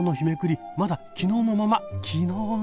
まだ昨日のまま昨日の。